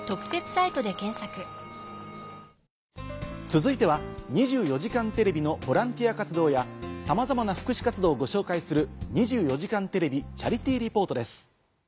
続いては『２４時間テレビ』のボランティア活動やさまざまな福祉活動をご紹介する。